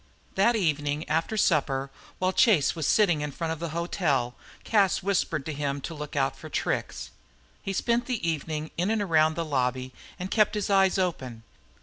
That evening after supper, while Chase was sitting in front of the hotel, Cas whispered to him to look out for tricks. He spent the evening in and around the lobby and kept his eyes open.